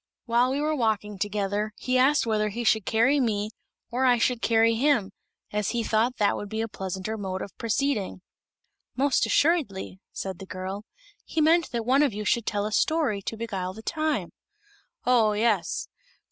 While we were walking together he asked whether he should carry me or I should carry him, as he thought that would be a pleasanter mode of proceeding." "Most assuredly," said the girl; "he meant that one of you should tell a story to beguile the time." "Oh yes.